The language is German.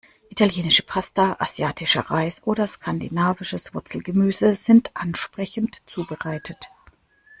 Italienische Pasta, asiatischer Reis oder skandinavisches Wurzelgemüse sind ansprechend zubereitet.